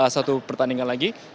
satu pertandingan lagi